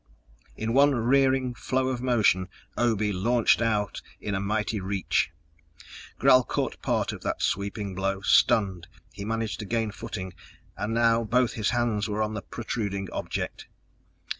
In one rearing flow of motion, Obe launched out in a mighty reach. Gral caught part of that sweeping blow; stunned, he managed to gain footing, and now both his hands were on the protruding object.